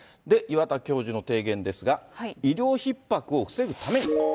で、岩田教授の提言ですが、医療ひっ迫を防ぐために。